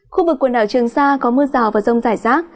khu vực quần đảo trường sa có mưa rào và rông rải rác